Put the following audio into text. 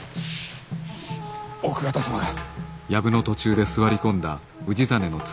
奥方様が。